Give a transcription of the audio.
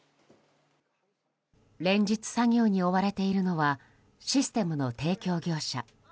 連日、作業に追われているのはシステムの提供業者。